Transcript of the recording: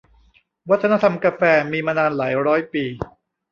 วัฒนธรรมกาแฟ มีมานานหลายร้อยปี